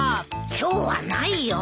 今日はないよ。